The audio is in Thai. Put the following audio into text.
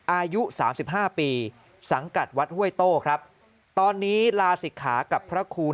๒อายุ๓๕ปีสังกัดวัดห้วยโต้ครับตอนนี้ลาศิษย์ขากับพระครู